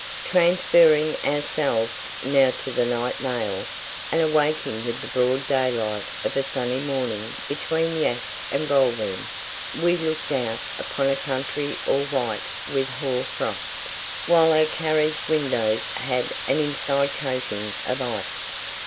Transferring ourselves now to the night mail, and awaking with the broad daylight of a sunny morning between Yass and Goulburn, we looked out upon a country all white with hoar frost, while our carriage windows had an inside coating of ice.